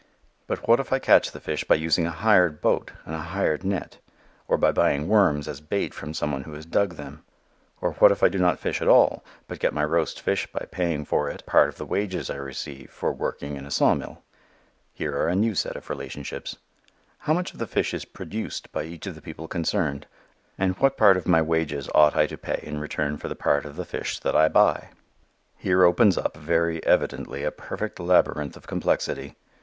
But what if I catch the fish by using a hired boat and a hired net, or by buying worms as bait from some one who has dug them? Or what if I do not fish at all, but get my roast fish by paying for it a part of the wages I receive for working in a saw mill? Here are a new set of relationships. How much of the fish is "produced" by each of the people concerned? And what part of my wages ought I to pay in return for the part of the fish that I buy? Here opens up, very evidently, a perfect labyrinth of complexity.